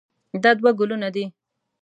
دا دوه ګلونه دي.